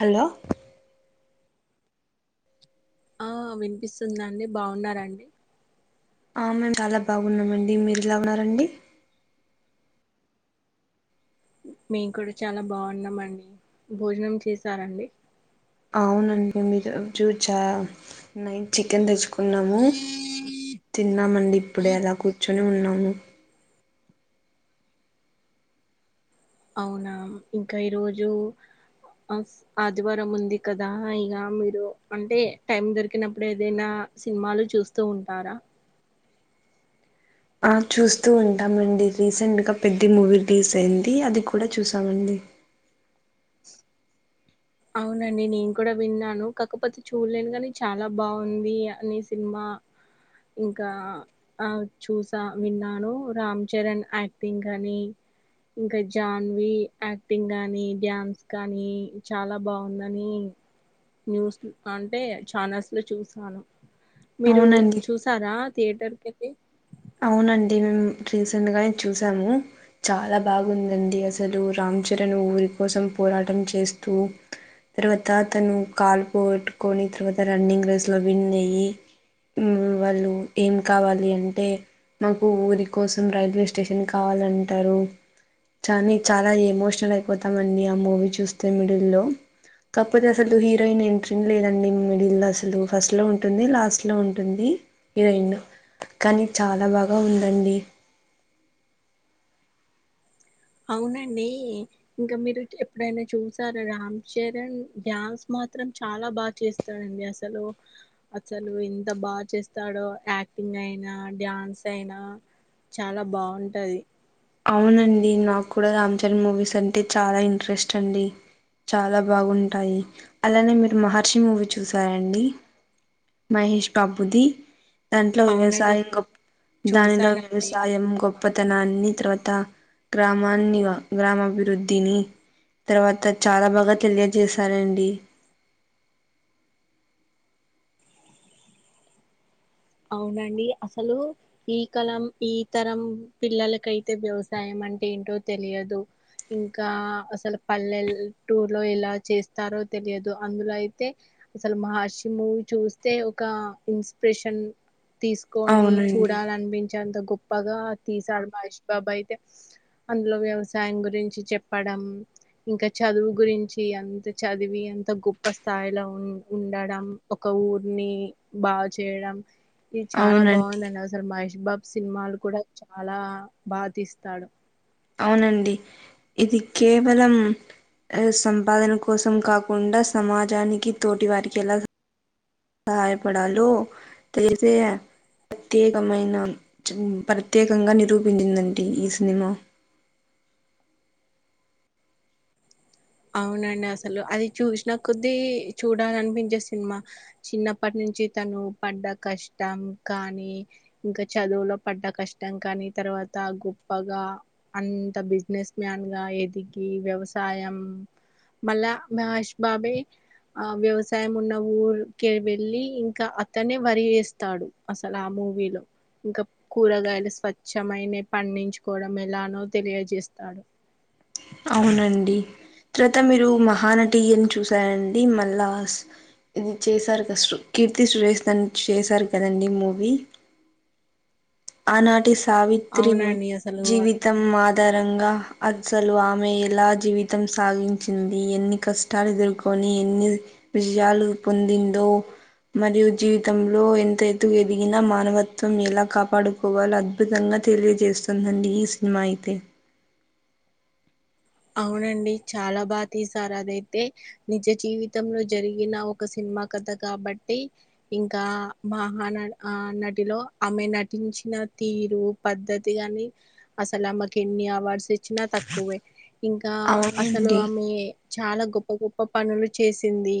Hello ఆ వినిపిస్తుందండి బాగున్నారండి మేము చాలా బాగున్నామండి మీరు ఎలా ఉన్నారండి మేము కూడా చాలా బాగున్నామ అండి భోజనం చేసారండి అవునండి మీరు చూ చ నైట్ చికెన్ తెచ్చుకు కున్నాము తిన్నామండి ఇప్పుడే అలా కూర్చొని ఉన్నాము అవునా ఇంకా ఈరోజు ఆఫ్ ఆదివారం ఉంది కదా ఇక మీరు అంటే టైం దొరికినప్పుడు ఏదైనా సినిమాలు చూస్తూ ఉంటారా ఆ చూస్తూ ఉంటామండి రీసెంట్ గా పెద్దీ మూవీ రిలీజ్ అయింది అది కూడా చూసామండి అవునండి నేను కూడా విన్నాను కాకపోతే చూడలేను కాని చాలా బాగుంది అని సినిమా ఆ ఇంకా ఆ చూసా విన్నాను రామ్ చరణ్ యాక్టింగ్ అని ఇంకా జాన్వి యాక్టింగ్ గానీ డ్యాన్స్ గానీ చాలా బాగుందని న్యూస్ అంటే ఛానల్స్ లో చూసాను మీరు అవునండి చూసారా థియేటర్ కివెళ్లి అవునండి మేము రీసెంట్ గానే చూసాము చాలా బాగుందండి అసలు రామ్ చరణ్ ఊరి కోసం పోరాటం చేస్తూ తర్వాత తను కాలు పోగట్టుకొని తర్వాత రన్నింగ్ రేస్ లో విన్ అయ్యి ఉమ్మ్ వాళ్ళు ఏం కావాలి అంటే మాకు ఊరి కోసం రైల్వే స్టేషన్ కావాలంటారు కానీ చాలా ఎమోషనల్ అయిపోతామ అండి ఆ మూవీ చూస్తే మిడిల్లో కాకపోతే అసలు హీరోయిన్ ఎంట్రీని లేదండి మిడిల్ లో అసలు ఫస్ట్ లో ఉంటుంది లాస్ట్ లో ఉంటుంది ఇలా ఎండ్ కానీ చాలా బాగా ఉందండి అవునండి ఇంకా మీరు ఎప్పుడైనా చూసారా రామ్ చరణ్ డాన్స్ మాత్రం చాలా బాగా చేస్తాడండి అసలు అసలు ఇంత బాగా చేస్తాడో యాక్టింగ్ గ్ అయినా డ్యాన్స్ అయినా చాలా బాగుంటది అవునండి నాకు కూడా రామ్ చరణ్ మూవీస్ అంటే చాలా ఇంట్రెస్ట్ అండి చాలా బాగుంటాయి అలానే మీరు మహర్షి మూవీ చూసారండి మహేష్ బాబుది దాంట్లో అవునండి వ్యవసాయ గొప్ దానిలో చూసానండి వ్యవసాయం గొప్పతనాన్ని తర్వాత గ్రామాన్నీ గ్రామాభివృద్ధిని తర్వాత చాలా బాగా తెలియజేసారండి అవునండి అసలు ఈ కలం ఈ తరం పిల్లలకైతే వ్యవసాయం అంటే ఏంటో తెలియదు ఇంకా అసలు పల్లెల టూర్ లో ఎలా చేస్తారో తెలియదు అందులో అయితే అసలు మహర్షి మూవీ చూస్తే ఒక ఇన్స్పిరేషన్ తీసుకొని అవునండి చూడాలనిపించేంత గొప్ గొప్పగా తీసాడు మహష్ బాబు అయితే అందులో వ్యవసాయం గురించి చెప్పడం ఇంకా చదువు గురించి ఎంత చదివి ఎంత గొప్ప స్థాయిలో ఉం ఉండడం ఒక ఊరిని బాగా చేయడం ఇది చాలా అవునండి బాగుందని అసలు మహే బాబ్ సినిమాలు కూడా చాలా బాగా తీస్తాడు అవునండి ఇది కేవలం సంపాదన కోసం కాకుండా సమాజానికి తోటి వారికి ఎలా [unintelligible] పెడితే ప్రత్యేకమైన ప్రత్యేకంగా నిరూపించిందండి ఈ సినిమా అవునండి అసలు అది చూసిన కొద్దీ చూడాలనిపించే సినిమా చిన్నప్పటి నుంచి నుంచి తను పడ్డ కష్టం కానీ ఇంకా చదువులో పడ్డ కష్టం కానీ తన తర్వాత గొప్పగా అంత బిజినెస్ మ్యాన్ గా ఎదిగి వ్యవసాయం మళ్ళా మహేష్ బాబే ఆ వ్యవసాయం ఉన్న ఊరికే వెళ్ళి ఇంకా అతనే వరి వేస్తాడు అసలు ఆ మూవీలో ఇంకా కూరగాయలు స్వచ్ఛమైనయి పండించుకోవడం ఎలానో తెలియజేస్తాడు అవునండి తర్వాత మీరు మహానటీయని చూసారండి మళ్ళాస్ ఇది చేశారు కదా కీర్తి సురేష్ తని చేశారు కదండీ మూవీ ఆనాటి సావిత్రి అవునండి అసలు జీవితం ఆధ్ ధరంగా అసలు ఆమె ఎలా జీవితం సాగించింది ఎన్ని కష్టాలు ఎదుర్కొని ని ఎన్ని విజయాలు పొందిందో మరియు జీవితంలో ఎంత ఎత్తు ఎదిగినా మానవత్వం ఎలా కా పాడుకోవాలో అద్భుతంగా తెలియజేస్తుందండి ఈ సినిమా అయితే అవునండి చాలా బాగా తీశారు అదైతే నిజ జీవితంలో జరిగిన ఒక సిని మా కథ కాబట్టి ఇంకా మహాన ఆ నటిలో ఆమె నటించి న తీరు పద్ధతి గాని అసలు ఆమకి ఎన్ని అవార్డ్స్ ఇచ్చినా తక్కువే ఇంకా అసలు అవునండి ఆమె చాలా గొప్ప గొప్ప పనులు చేసింది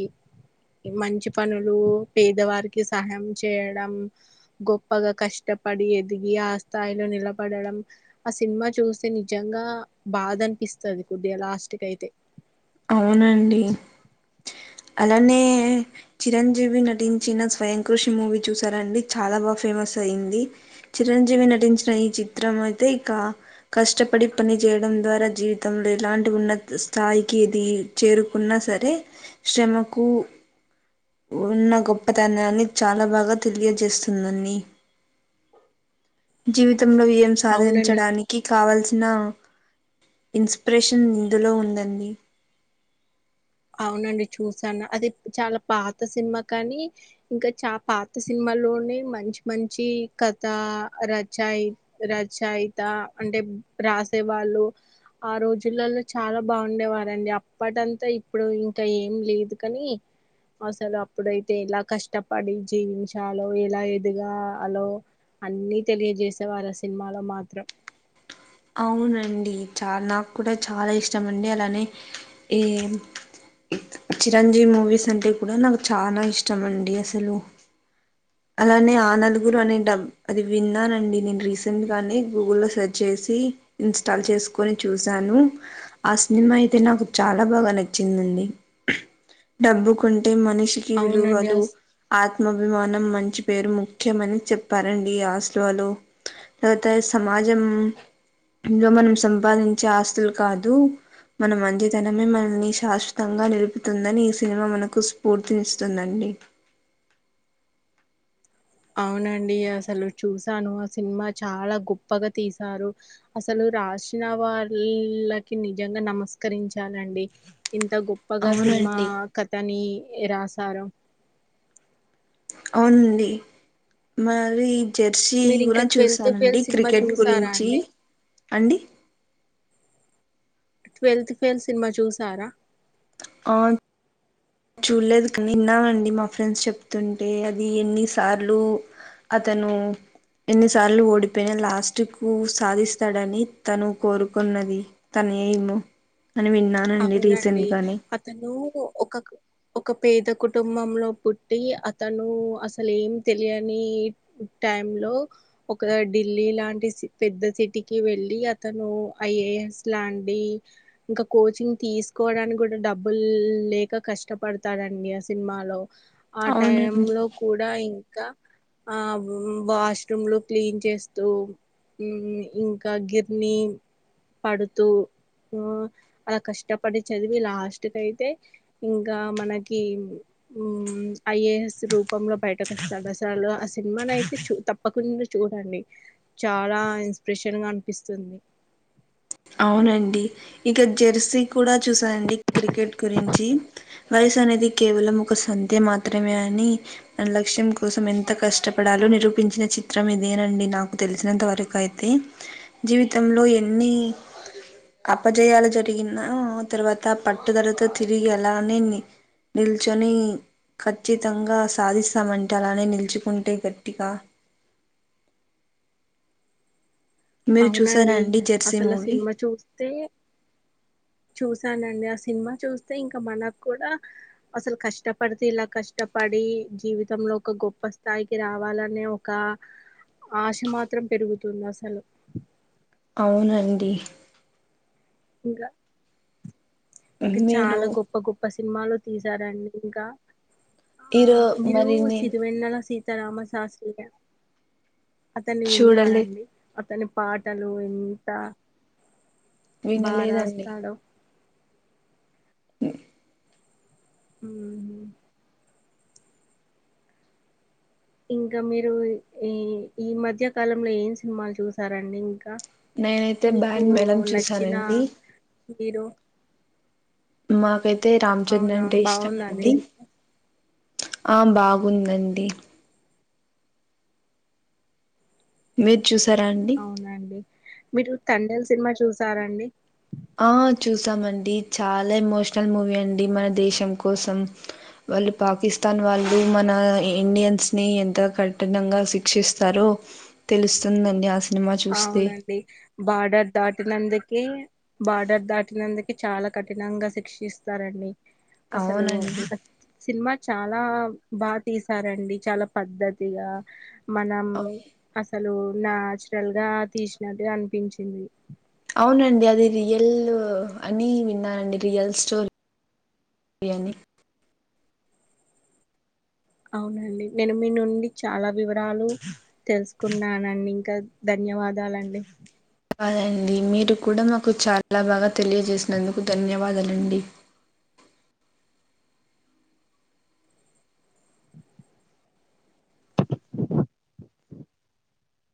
మంచి పనులు పేదవారికి సహాయం చేయడం గొప్పగా కష్ట పడి ఎదిగి ఆ స్థాయిలో నిలబడడం ఆ సినిమా చూసి నిజంగా బాధ అనిపిస్త స్తది కొద్ది గా లాస్ట్ కైతే అవునండి అలానే చిరంజీవి నటించిన స్వయం కృషి మూవీ చూసారండి చాలా బాగా ఫేమస్ అయింది చిరంజీవి నటించిన ఈ చిత్రం అయితే ఇక కష్టపడి పని చేయడం ద్వారా జీవితంలో ఇలాంటి ఉన్నత స్థాయి కి ఏది చేరుకున్నా సరే శ్రమకు ఉన్న గొప్పతనాన్ని చాలా బాగా తెలియజేస్తుందని జీవితంలో ఏం అవునండి సాధించడానికి కావల్సిన న ఇన్స్ ప్రేషన్ ఇందులో ఉందండి అవునండి చూసాను అది చాలా పాత సినిమా కాని ఇంకా చ పాత సినిమాలో నేన్ మంచి మంచి కథ రచయి రచయిత అంటే రాసేవాళ్ళు ఆ రోజులలో చాలా బాగుండేవారండి అప్పటంతా ఇ ప్పుడు ఇంకా ఏం లేదు కాని అసలు అప్పుడైతే ఎలా కష్టపడి జీవించాలో ఎలా ఎదగాలో అన్నీ తెలియజేసే వారు ఆ సినిమాలో మాత్రం అవునండి చ నాకు కూడా చాలా ఇష్టం అండి అలానే ఏ చిరంజీవి మూవీస్ అంటే కూడా నాకు చాలా ఇష్టం అండి అసలు అలానే ఆ నలుగురు అనే డబ్బ అది విన్నానండి నేను రీసెంట్ గానే గూగుల్ లో సెర్చ్ చేసి అది ఇన్స్టాల్ చేసుకొని చూసాను ఆ సినిమా అయితే నాకు చాలా బాగా నచ్చింది డబ్బుకుంటే మనిషికి అవునండి విలువలు అస్ ఆత్ ఆత్మాభిమానం మంచి పేరు ముఖ్యమని చెప్పారండి ఆ సినిమాలో పోతే సమాజం లో మనం సంపాదించే ఆస్తులు కాదు మన మంచితనమే మనల్ని శాశ్వతంగా నిలుపుతుందని ఈ సినిమా మనకు స్ఫూర్తినిస్తుందం డి అవునండి అసలు చూసాను ఆ సినిమా చాలా గొప్పగా తీసారు అసలు రాసిన వాళ్ళకి నిజంగా నమస్కరించాలండి ఇంత గొప్పగా సినిమా అవునండి కథని రాశారు అవునండి మరి జెర్సీ మీరు ఇంకా కూడా ట్వెల్త్ ఫెయిల్ చూసానండి సినిమా క్రికెట్ చూసారా గురించి అండి అండి ట్వెల్త్ ఫెయిల్ సినిమా చూసారా ఆ చూడలేదు కానీ విన్నానండి మా ఫ్రెండ్స్ చెప్తుంటే అది ఎన్ని సార్లు అతను ఎన్ని సార్లు ఓడిపోయినా లాస్ట్ కు సాధిస్తాడని తను కోరుకున్నది తన్ మేము అవునండి అతను ఒకక్ ఒక పేద కుటుంబంలో పుట్టి అతను అసలు ఏం తెలియని టైమ్ లో ఒక ఢిల్లీ లాంటి పెద్ద సిటీకి వెళ్ళి అతను అయ్యే స్లాండి ఇంకా కోచింగ్ తీసుకోవడానికి గూడా డబ్బులు లేక కష్టపడతాడండి ఆ సినిమాలో ఆ టైం అవునండి లో కూడా ఇం కా ఆ వాష్ రూములు క్లీన్ చేస్తూ ఇంకా గిర్ని పడుతూ ఆ అలా కష్టపడి చదివి లాస్ట్ కయితే ఇంకా మనకి ఐఏఎస్ రూపంలో బయటకు వస్తాడు అసలు ఆ సినిమాను అయితే చూ తప్పకుండా చూడండి చాలా ఇన్స్ ప్రేషన్ గా అనిపిస్తుంది [inaudible] అవునండి ఇక జెర్సీ కూడా చూసానండి క్రికెట్ గురించి వర్ క్స్ అనేది కేవలం ఒక సంధ్య మాత్రమే అని మన లక్ష్యం కోసం ఎంత కష్టపడాలో నిరూప్ పించిన చిత్రం ఇదేనండి నాకు తెలిసినంత వరకయితే, జీవితంలో ఎన్ని [inaudible] అపజయాలు జరిగినా తర్వాత పట్టుదలతో తిరిగి అలానే ని నిల్చొని ఖచ్చితంగా సాధిస్తామంటే అలానే నిలుచుకుంటే గట్టిగా మీరు చూసారా అవునండి అండి జెర్సీ అసల మూవీ? సినిమా చూస్తే చూసానండి ఆ సినిమా చూస్తే ఇంక మనక్కుడా అసలు కష్టపడితే ఇలా కష్టపడ్ డి జీవితంలో ఒక గొప్ప స్థాయికి రావాలనే ఒకా ఆశ మాత్రం పెరుగుతుందసలు అవునండి ఇగా ఇక చాలా మీరు గొప్ప గొప్ప సినిమాలు తీసారండి ఇంకా ఆ ఈరో మీరు మరి నేను సిరి వెన్నెలా సీర్ సీతా రామశాస్త్రిగా అతన్ని చూడలే విన్నారాండి అతని పాటలు ఎంత బా వినలేదండి రాస్తాడో ఉమ్ ఉమ్ హ్ ఇంక మీరు ఈ ఈ మధ్య కాలంలో ఏం సినిమాలు చూసారండి ఇంకా నేనైతే మీకూ బ్యాండ్ మేళం నచ్చిన చూసానండి హీరో మాకైతే రామ్ చరణ్ అవునా అంటే ఇష్టం బాగుందండి అండి సినిమా ఆ బాగుందండి మీర్ చూస్ అవునండి మీరు తండేల్ సినిమా చూసారా అండి ఆ చూసామండి చాల ఎమోషనల్ మూవీ అండి మన దేశం కోసం వాళ్ళు పాకిస్తాన్ వాళ్ళు మన ఇండియన్స్ ని ఎంత కఠినంగా శిక్షిస్తారో తెలుస్తుందండి ఆస్ అవునండి బార్డర్ దాటినందుక్ కే బార్డర్ దాటినందుకె చాలా కఠినంగా శిక్షిస్తారండి అసలూ అవునండి సినిమా చాలా బా తీసారండి చాలా పద్ధతిగా మనం అసలు నాచురల్ గా తీసినట్టు అనిపించింది అవునండి అది రియల్ అని విన్నానండి రియల్ స్టోరీ రీ అని అవునండి నేను మీ నుండి చాలా వివరాలు తెలుసుకున్నానండి క ధన్యవాదాలండి కాదండి మీరు కూడా మాకు చాలా బాగా తెలియజేసినందుకు ధన్యవాదాలండి [inaudible]